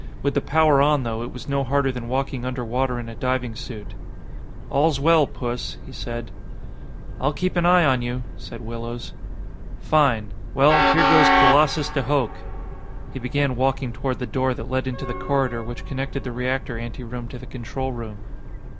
With the power on, though, it was no harder than walking underwater in a diving suit. "All's well, Puss," he said. "I'll keep an eye on you," said Willows. "Fine. Well, here goes Colossus de Hooch." He began walking toward the door that led into the corridor which connected the reactor anteroom to the control room.